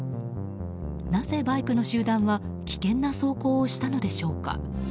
なぜ、バイクの集団は危険な走行をしたのでしょうか。